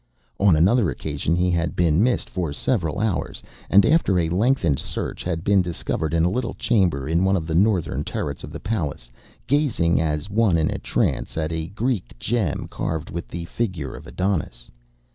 On another occasion he had been missed for several hours, and after a lengthened search had been discovered in a little chamber in one of the northern turrets of the palace gazing, as one in a trance, at a Greek gem carved with the figure of Adonis.